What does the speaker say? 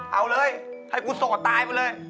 เอาเลยให้กูโสดตายมึงเลย